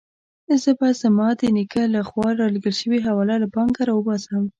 زه به زما د نیکه له خوا رالېږل شوې حواله له بانکه راوباسم.